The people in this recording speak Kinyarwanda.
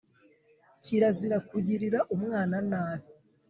Kirazira kugirira umwana nabi.